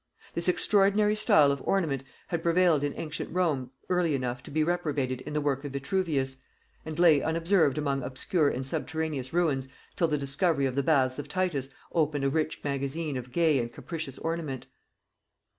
This extraordinary style of ornament had prevailed in ancient Rome early enough to be reprobated in the work of Vitruvius, and lay unobserved among obscure and subterraneous ruins till the discovery of the Baths of Titus opened a rich magazine of gay and capricious ornament.